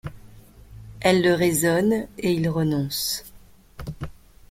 Elle le raisonne et il renonce.